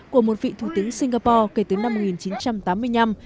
của một vị thủ tướng singapore kể từ năm một nghìn chín trăm tám mươi năm